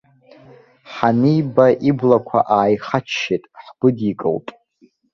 Ҳаниба, иблақәа ааихаччеит, ҳгәыдикылт.